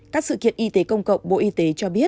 các sự kiện y tế công cộng bộ y tế cho biết